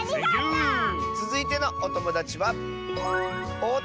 つづいてのおともだちは。